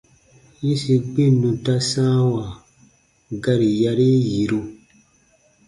-yĩsi gbinnu ta sãawa gari yarii yiru.